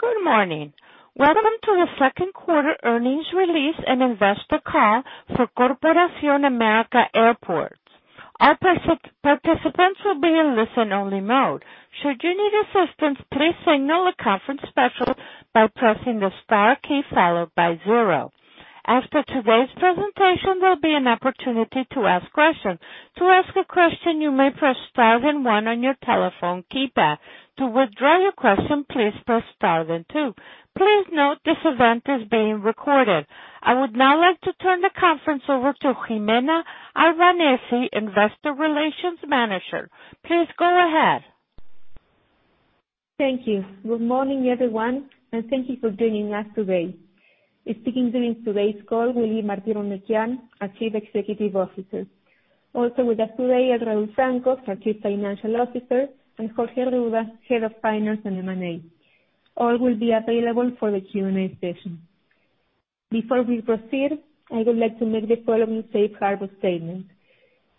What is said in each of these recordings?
Good morning. Welcome to the Q2 earnings release and investor call for Corporación América Airports. Our participants will be in listen-only mode. Should you need assistance? Please signal a conference specialist by pressing the star key followed by zero. After today's presentation, there will be an opportunity to ask questions. To ask a question, you may press star then one on your telephone keypad. To withdraw your question, please press star then two. Please note that this event is being recorded. I would now like to turn the conference over to Gimena Albanesi, Investor Relations Manager. Please go ahead. Thank you. Good morning, everyone, and thank you for joining us today. Speaking during today's call will be Martín Eurnekian, our Chief Executive Officer. Also with us today are Raúl Francos, our Chief Financial Officer, and Jorge Arruda, Head of Finance and M&A. All will be available for the Q&A session. Before we proceed, I would like to make the following safe harbor statement.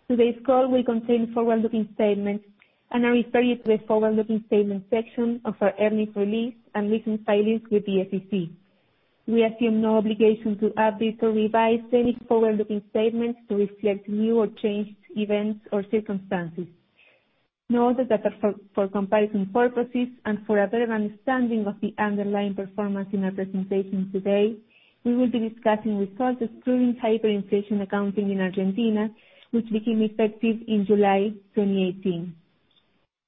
Today's call will contain forward-looking statements, and I refer you to the forward-looking statements section of our earnings release and recent filings with the SEC. We assume no obligation to update or revise any forward-looking statements to reflect new or changed events or circumstances. Note that for comparison purposes and for a better understanding of the underlying performance in our presentation today, we will be discussing results excluding hyperinflation accounting in Argentina, which became effective in July 2018.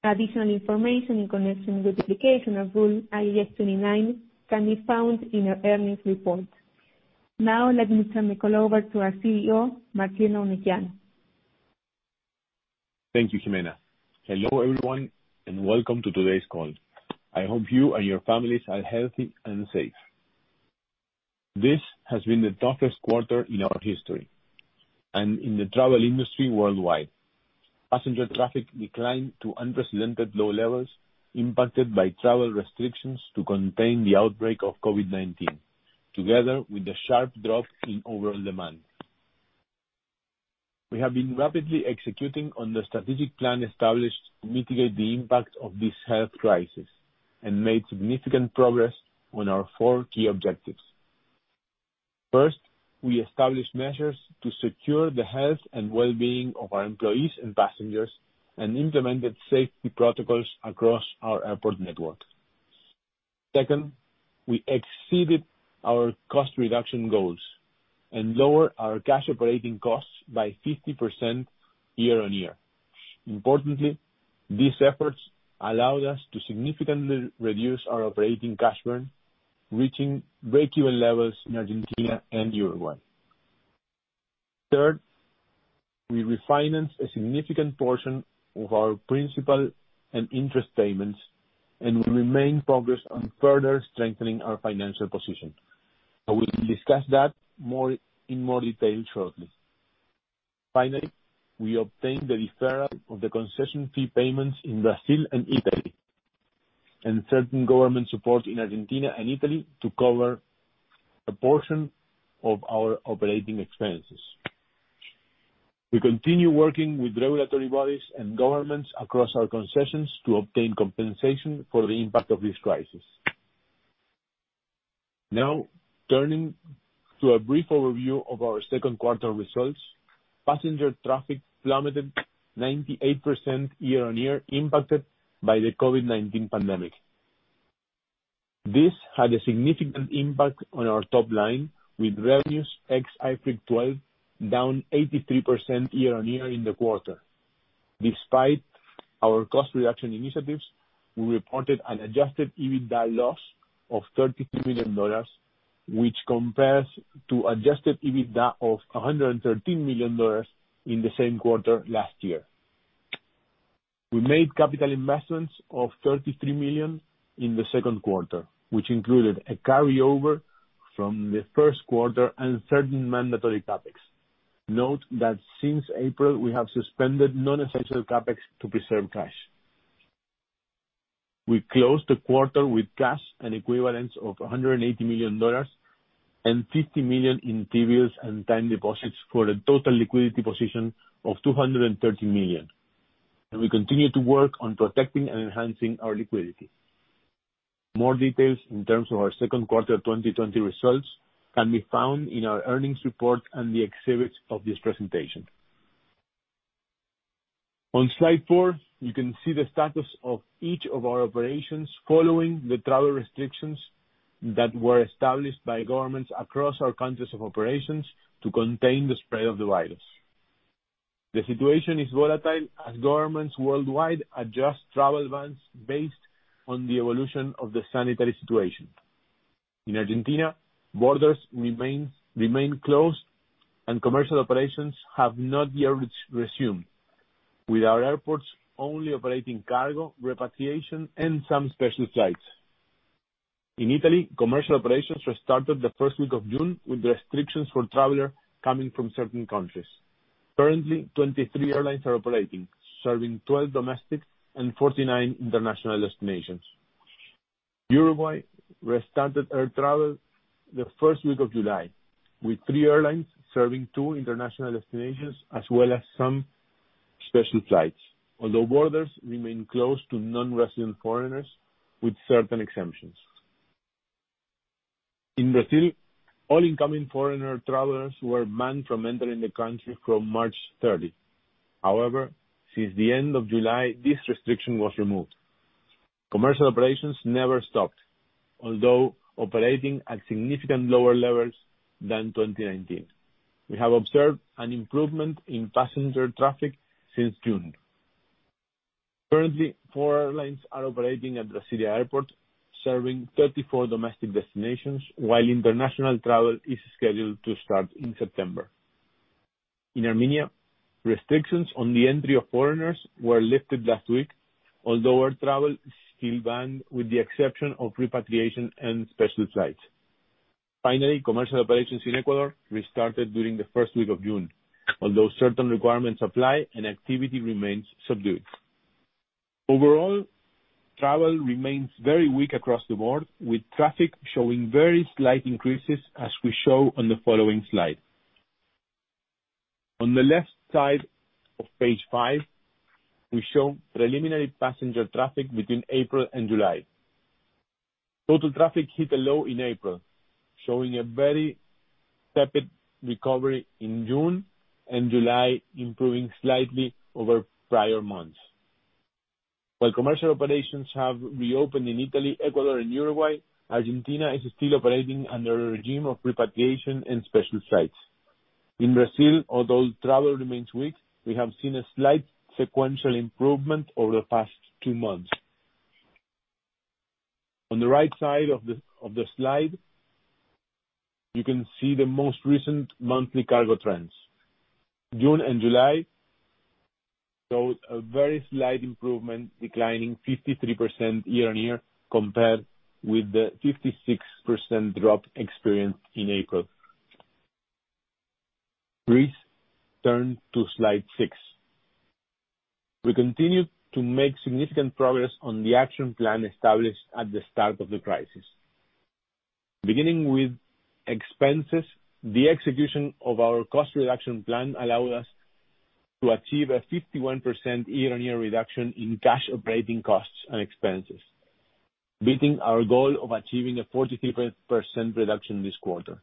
Additional information in connection with application of rule IAS 29 can be found in our earnings report. Let me turn the call over to our CEO, Martín Eurnekian. Thank you, Gimena. Hello, everyone, and welcome to today's call. I hope you and your families are healthy and safe. This has been the toughest quarter in our history and in the travel industry worldwide. Passenger traffic declined to unprecedented low levels impacted by travel restrictions to contain the outbreak of COVID-19, together with a sharp drop in overall demand. We have been rapidly executing on the strategic plan established to mitigate the impact of this health crisis and made significant progress on our four key objectives. First, we established measures to secure the health and well-being of our employees and passengers and implemented safety protocols across our airport network. Second, we exceeded our cost reduction goals and lowered our cash operating costs by 50% year-over-year. Importantly, these efforts allowed us to significantly reduce our operating cash burn, reaching breakeven levels in Argentina and Uruguay. Third, we refinanced a significant portion of our principal and interest payments and we remain focused on further strengthening our financial position. I will discuss that in more detail shortly. Finally, we obtained the deferral of the concession fee payments in Brazil and Italy, and certain government support in Argentina and Italy to cover a portion of our operating expenses. We continue working with regulatory bodies and governments across our concessions to obtain compensation for the impact of this crisis. Now, turning to a brief overview of our Q2 results, passenger traffic plummeted 98% year-on-year impacted by the COVID-19 pandemic. This had a significant impact on our top line, with revenues ex IFRIC 12 down 83% year-on-year in the quarter. Despite our cost reduction initiatives, we reported an adjusted EBITDA loss of $33 million, which compares to adjusted EBITDA of $113 million in the same quarter last year. We made capital investments of $33 million in the Q2, which included a carryover from the Q1 and certain mandatory CapEx. Note that since April, we have suspended non-essential CapEx to preserve cash. We closed the quarter with cash and equivalents of $180 million and $50 million in T-bills and time deposits for a total liquidity position of $230 million, and we continue to work on protecting and enhancing our liquidity. More details in terms of our Q2 2020 results can be found in our earnings report and the exhibits of this presentation. On slide four, you can see the status of each of our operations following the travel restrictions that were established by governments across our countries of operations to contain the spread of the virus. The situation is volatile as governments worldwide adjust travel bans based on the evolution of the sanitary situation. In Argentina, borders remain closed and commercial operations have not yet resumed, with our airports only operating cargo, repatriation, and some special flights. In Italy, commercial operations restarted the first week of June with restrictions for travelers coming from certain countries. Currently, 23 airlines are operating, serving 12 domestic and 49 international destinations. Uruguay restarted air travel the first week of July, with three airlines serving two international destinations as well as some special flights, although borders remain closed to non-resident foreigners with certain exemptions. In Brazil, all incoming foreigner travelers were banned from entering the country from March 30. However, since the end of July, this restriction was removed. Commercial operations never stopped, although operating at significant lower levels than 2019. We have observed an improvement in passenger traffic since June. Currently, four airlines are operating at Brasília Airport, serving 34 domestic destinations, while international travel is scheduled to start in September. In Armenia, restrictions on the entry of foreigners were lifted last week, although air travel is still banned, with the exception of repatriation and special flights. Finally, commercial operations in Ecuador restarted during the first week of June, although certain requirements apply and activity remains subdued. Overall, travel remains very weak across the board, with traffic showing very slight increases, as we show on the following slide. On the left side of page five, we show preliminary passenger traffic between April and July. Total traffic hit a low in April, showing a very tepid recovery in June, and July improving slightly over prior months. While commercial operations have reopened in Italy, Ecuador, and Uruguay, Argentina is still operating under a regime of repatriation and special flights. In Brazil, although travel remains weak, we have seen a slight sequential improvement over the past two months. On the right side of the slide, you can see the most recent monthly cargo trends. June and July showed a very slight improvement, declining 53% year-on-year compared with the 56% drop experienced in April. Please turn to slide six. We continue to make significant progress on the action plan established at the start of the crisis. Beginning with expenses, the execution of our cost reduction plan allowed us to achieve a 51% year-on-year reduction in cash operating costs and expenses, beating our goal of achieving a 43% reduction this quarter.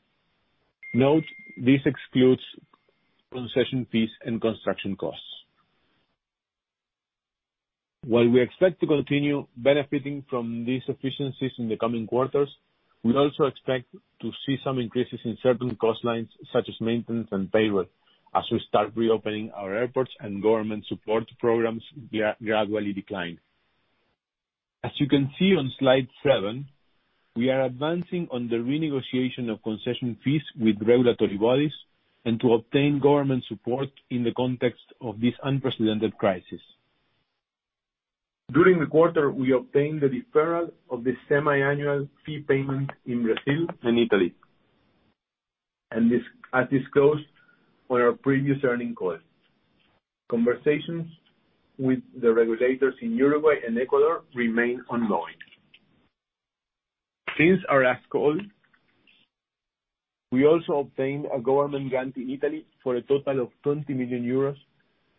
Note, this excludes concession fees and construction costs. While we expect to continue benefiting from these efficiencies in the coming quarters, we also expect to see some increases in certain cost lines, such as maintenance and payroll, as we start reopening our airports and government support programs gradually decline. As you can see on slide seven, we are advancing on the renegotiation of concession fees with regulatory bodies and to obtain government support in the context of this unprecedented crisis. During the quarter, we obtained the deferral of the semi-annual fee payment in Brazil and Italy, as disclosed on our previous earning call. Conversations with the regulators in Uruguay and Ecuador remain ongoing. Since our last call, we also obtained a government grant in Italy for a total of 20 million euros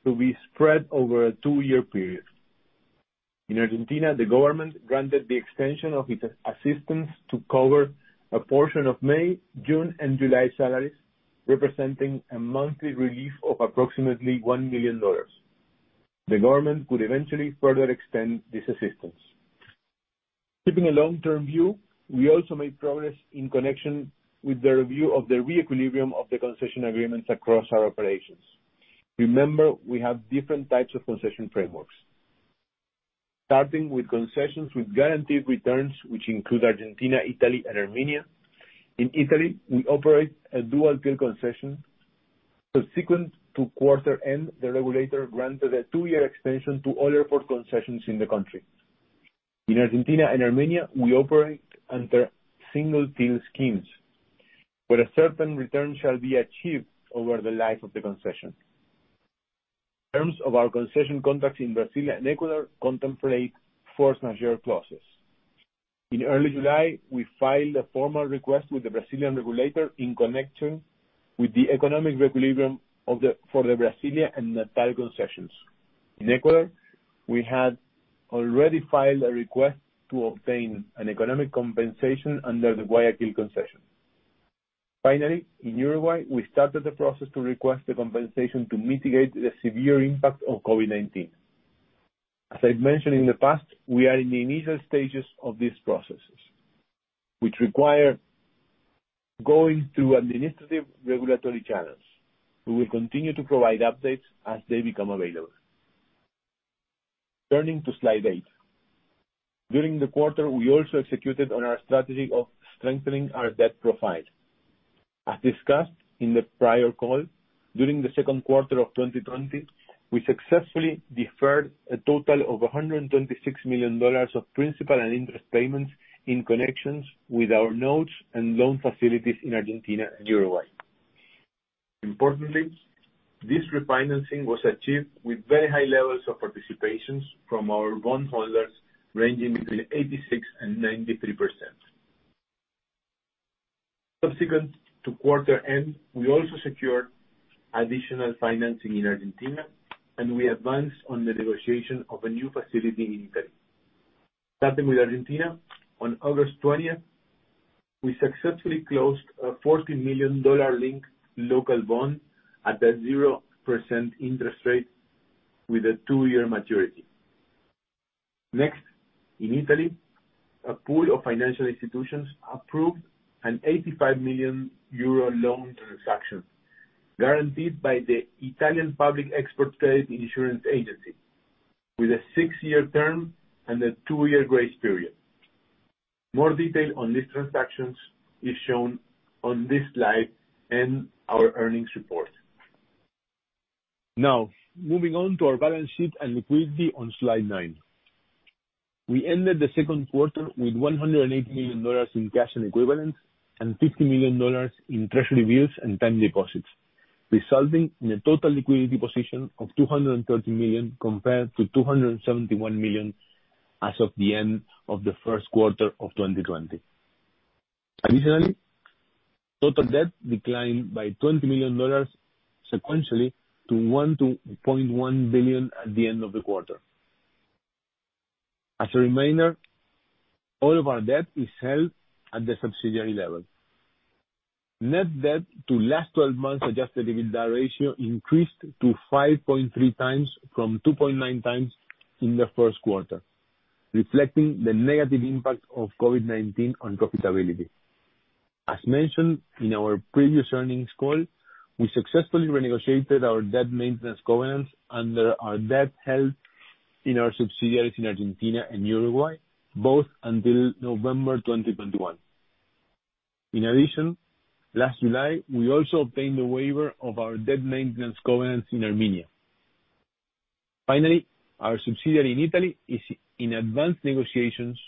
to be spread over a two-year period. In Argentina, the government granted the extension of its assistance to cover a portion of May, June, and July salaries, representing a monthly relief of approximately EUR 1 million. The government could eventually further extend this assistance. Keeping a long-term view, we also made progress in connection with the review of the re-equilibrium of the concession agreements across our operations. Remember, we have different types of concession frameworks. Starting with concessions with guaranteed returns, which include Argentina, Italy, and Armenia. In Italy, we operate a dual-till concession. Subsequent to quarter-end, the regulator granted a two-year extension to all airport concessions in the country. In Argentina and Armenia, we operate under single-till schemes, where a certain return shall be achieved over the life of the concession. Terms of our concession contracts in Brasília and Ecuador contemplate force majeure clauses. In early July, we filed a formal request with the Brazilian regulator in connection with the economic re-equilibrium for the Brasília and Natal concessions. In Ecuador, we had already filed a request to obtain an economic compensation under the Guayaquil concession. Finally, in Uruguay, we started the process to request the compensation to mitigate the severe impact of COVID-19. As I've mentioned in the past, we are in the initial stages of these processes, which require going through administrative regulatory channels. We will continue to provide updates as they become available. Turning to slide eight. During the quarter, we also executed on our strategy of strengthening our debt profile. As discussed in the prior call, during the Q2 of 2020, we successfully deferred a total of $126 million of principal and interest payments in connections with our notes and loan facilities in Argentina and Uruguay. Importantly, this refinancing was achieved with very high levels of participations from our bondholders, ranging between 86% and 93%. Subsequent to quarter-end, we also secured additional financing in Argentina. We advanced on the negotiation of a new facility in Italy. Starting with Argentina, on August 20th, we successfully closed a $40 million linked local bond at a 0% interest rate with a two-year maturity. Next, in Italy, a pool of financial institutions approved an 85 million euro loan transaction guaranteed by the Italian Public Export Trade Insurance agency, with a six-year term and a two-year grace period. More detail on these transactions is shown on this slide in our earnings report. Now, moving on to our balance sheet and liquidity on slide nine. We ended the Q2 with $180 million in cash and equivalents and $50 million in treasury bills and time deposits, resulting in a total liquidity position of $230 million compared to $271 million as of the end of the Q1 of 2020. Additionally, total debt declined by $20 million sequentially to $1.1 billion at the end of the quarter. As a reminder, all of our debt is held at the subsidiary level. Net debt to last 12 months adjusted EBITDA ratio increased to 5.3x from 2.9x in the Q1, reflecting the negative impact of COVID-19 on profitability. As mentioned in our previous earnings call, we successfully renegotiated our debt maintenance covenants under our debt held in our subsidiaries in Argentina and Uruguay, both until November 2021. In addition, last July, we also obtained a waiver of our debt maintenance covenants in Armenia. Finally, our subsidiary in Italy is in advanced negotiations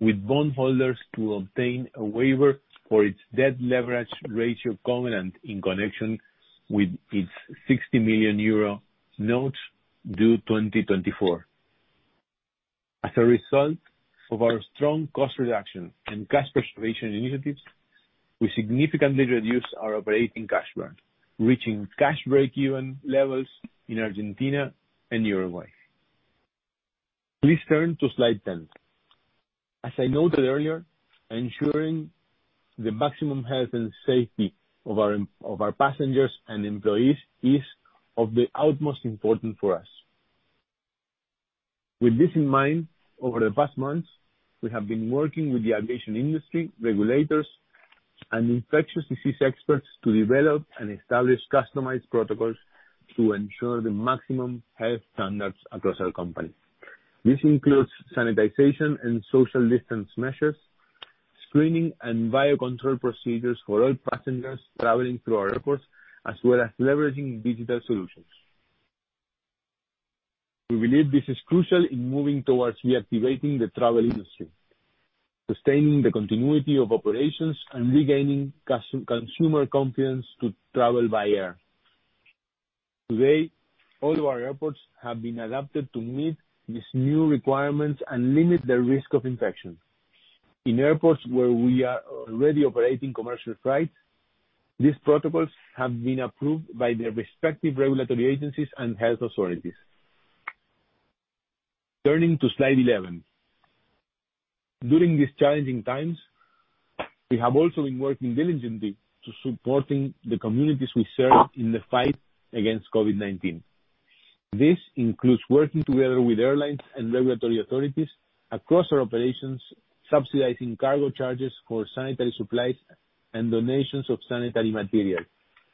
with bondholders to obtain a waiver for its debt leverage ratio covenant in connection with its 60 million euro note due 2024. As a result of our strong cost reduction and cash preservation initiatives, we significantly reduced our operating cash burn, reaching cash breakeven levels in Argentina and Uruguay. Please turn to slide 10. As I noted earlier, ensuring the maximum health and safety of our passengers and employees is of the utmost importance for us. With this in mind, over the past months, we have been working with the aviation industry, regulators, and infectious disease experts to develop and establish customized protocols to ensure the maximum health standards across our company. This includes sanitization and social distance measures, screening, and biocontrol procedures for all passengers traveling through our airports, as well as leveraging digital solutions. We believe this is crucial in moving towards reactivating the travel industry, sustaining the continuity of operations, and regaining consumer confidence to travel by air. Today, all of our airports have been adapted to meet these new requirements and limit the risk of infection. In airports where we are already operating commercial flights, these protocols have been approved by their respective regulatory agencies and health authorities. Turning to slide 11. During these challenging times, we have also been working diligently to supporting the communities we serve in the fight against COVID-19. This includes working together with airlines and regulatory authorities across our operations, subsidizing cargo charges for sanitary supplies and donations of sanitary material,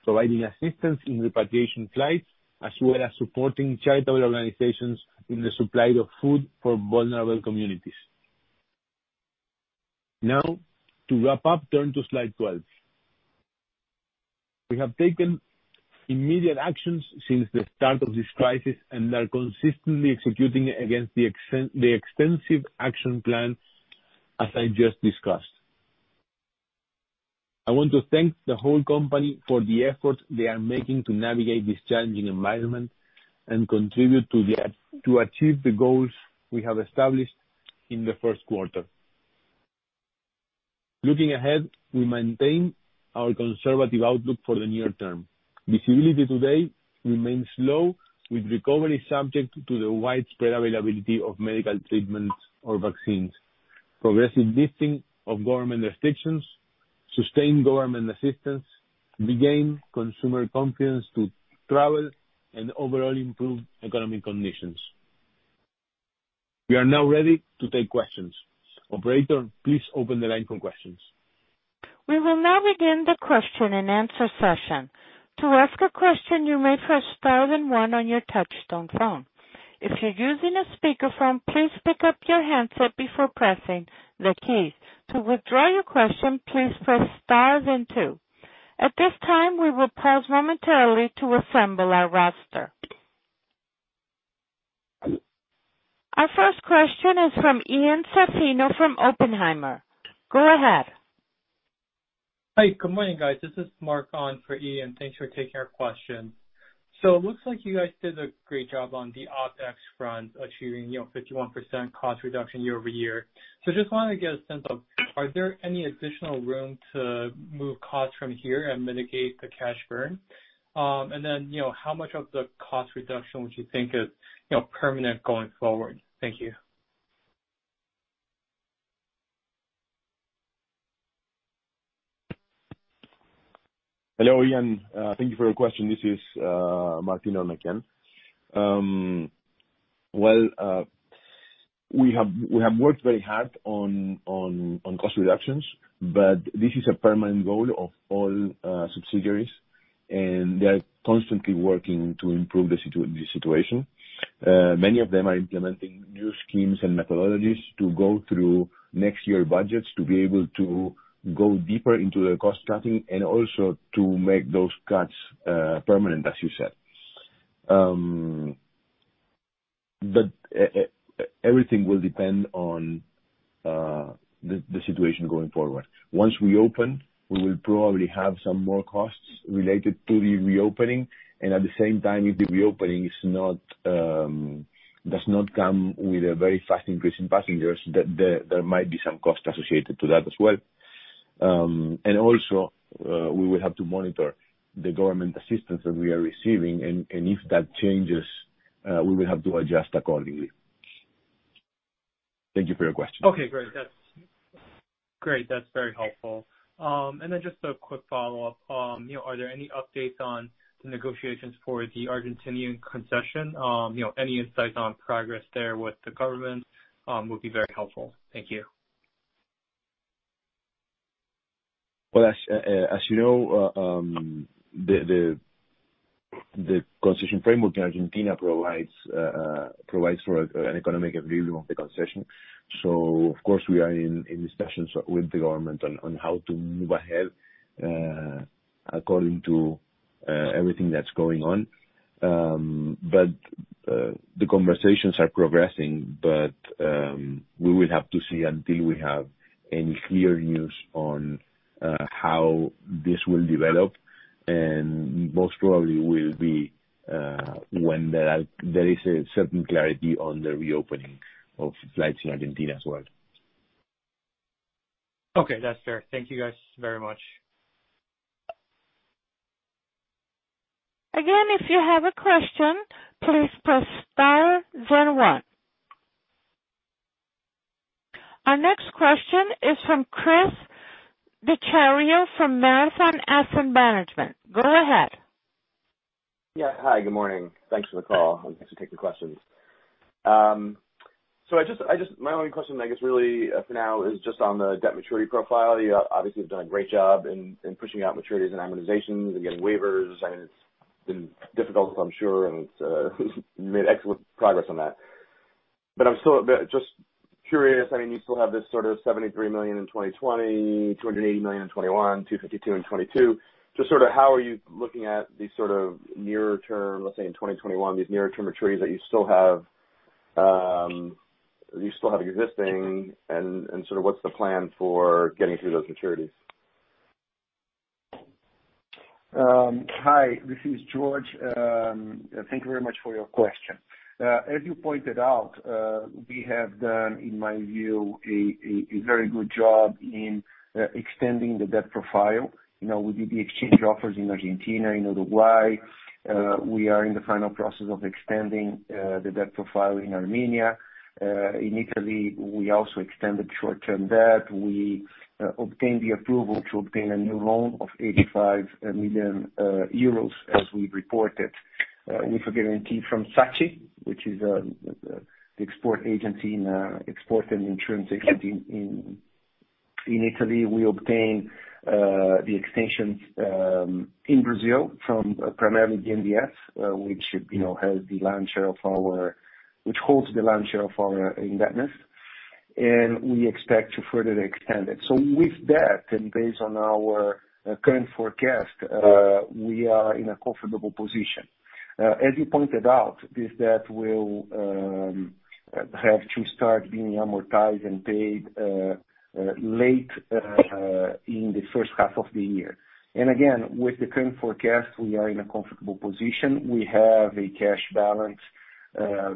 providing assistance in repatriation flights, as well as supporting charitable organizations in the supply of food for vulnerable communities. Now to wrap up, turn to slide 12. We have taken immediate actions since the start of this crisis and are consistently executing against the extensive action plan, as I just discussed. I want to thank the whole company for the effort they are making to navigate this challenging environment and contribute to achieve the goals we have established in the Q1. Looking ahead, we maintain our conservative outlook for the near term. Visibility today remains low, with recovery subject to the widespread availability of medical treatments or vaccines, progressive lifting of government restrictions, sustained government assistance, regained consumer confidence to travel, and overall improved economic conditions. We are now ready to take questions. Operator, please open the line for questions. We will now begin the question-and-answer session. To ask a question, you may press star then one on your touchtone phone. If you're using a speakerphone, please pick up your handset before pressing the keys. To withdraw your question, please press star and two. At this time, we will pause momentarily to assemble our roster. Our first question is from Ian Zaffino from Oppenheimer. Go ahead. Hi. Good morning, guys. This is Mark on for Ian. Thanks for taking our questions. It looks like you guys did a great job on the OpEx front, achieving 51% cost reduction year-over-year. Just wanted to get a sense of, are there any additional room to move costs from here and mitigate the cash burn? How much of the cost reduction would you think is permanent going forward? Thank you. Hello, Ian. Thank you for your question. This is Martín Eurnekian. Well, we have worked very hard on cost reductions, but this is a permanent goal of all subsidiaries, and they are constantly working to improve the situation. Many of them are implementing new schemes and methodologies to go through next year budgets to be able to go deeper into the cost cutting and also to make those cuts permanent, as you said. Everything will depend on the situation going forward. Once we open, we will probably have some more costs related to the reopening, and at the same time, if the reopening does not come with a very fast increase in passengers, there might be some cost associated to that as well. Also, we will have to monitor the government assistance that we are receiving, and if that changes, we will have to adjust accordingly. Thank you for your question. Okay, great. That's very helpful. Then just a quick follow-up. Are there any updates on the negotiations for the Argentinian concession? Any insights on progress there with the government would be very helpful. Thank you. As you know, the concession framework in Argentina provides for an economic review of the concession. Of course, we are in discussions with the government on how to move ahead according to everything that's going on. The conversations are progressing, but we will have to see until we have any clear news on how this will develop, and most probably will be when there is a certain clarity on the reopening of flights in Argentina as well. Okay, that's fair. Thank you guys very much. Again, if you have a question, please press star then one. Our next question is from Chris Dechiario from Marathon Asset Management. Go ahead. Hi, good morning. Thanks for the call, and thanks for taking the questions. My only question, I guess really for now is just on the debt maturity profile. You obviously have done a great job in pushing out maturities and amortizations and getting waivers, and it's been difficult, I'm sure, and you made excellent progress on that. I'm still just curious, you still have this sort of 73 million in 2020, 280 million in 2021, 252 million in 2022. How are you looking at these sort of nearer term, let's say in 2021, these nearer term maturities that you still have existing and sort of what's the plan for getting through those maturities? Hi, this is Jorge. Thank you very much for your question. As you pointed out, we have done, in my view, a very good job in extending the debt profile. We did the exchange offers in Argentina, in Uruguay. We are in the final process of extending the debt profile in Armenia. In Italy, we also extended short-term debt. We obtained the approval to obtain a new loan of 85 million euros as we reported, with a guarantee from SACE, which is the export agency in export and insurance agency in Italy. We obtained the extensions in Brazil from primarily BNDES, which holds the lion share of our indebtedness, and we expect to further extend it. With that, and based on our current forecast, we are in a comfortable position. As you pointed out, this debt will have to start being amortized and paid late in the H1 of the year. Again, with the current forecast, we are in a comfortable position. We have a cash balance,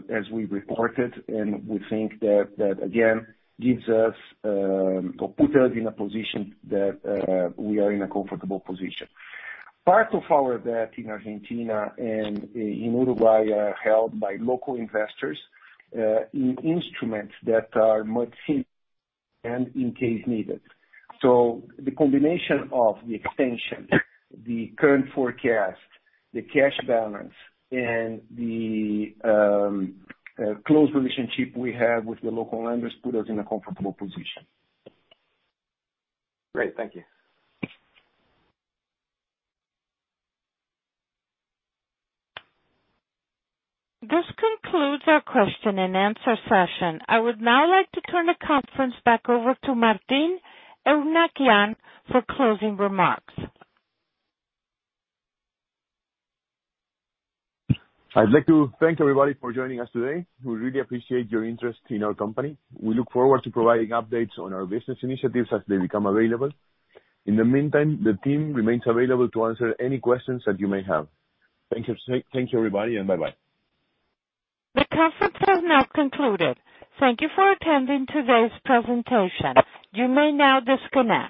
as we reported, and we think that that again, gives us or put us in a position that we are in a comfortable position. Part of our debt in Argentina and in Uruguay are held by local investors, in instruments that are much simpler and in case needed. The combination of the extension, the current forecast, the cash balance, and the close relationship we have with the local lenders put us in a comfortable position. Great. Thank you. This concludes our question-and-answer session. I would now like to turn the conference back over to Martín Eurnekian for closing remarks. I'd like to thank everybody for joining us today. We really appreciate your interest in our company. We look forward to providing updates on our business initiatives as they become available. In the meantime, the team remains available to answer any questions that you may have. Thank you, everybody, and bye-bye. The conference has now concluded. Thank you for attending today's presentation. You may now disconnect.